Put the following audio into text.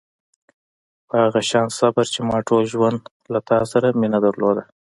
په هغه شان صبر چې ما ټول ژوند له تا سره مینه درلوده.